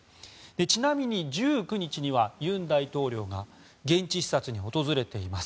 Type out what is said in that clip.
ちなみに１９日には尹大統領が現地視察に訪れています。